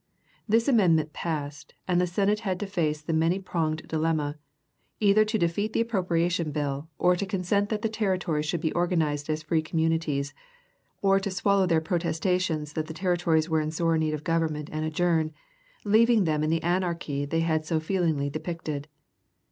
This amendment passed, and the Senate had to face the many pronged dilemma, either to defeat the Appropriation Bill, or to consent that the territories should be organized as free communities, or to swallow their protestations that the territories were in sore need of government and adjourn, leaving them in the anarchy they had so feelingly depicted.